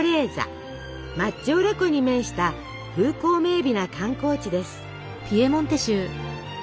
マッジョーレ湖に面した風光明美な観光地です。